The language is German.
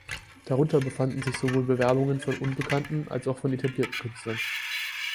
Darunter befanden sich sowohl Bewerbungen von unbekannten als auch von etablierten Künstlern.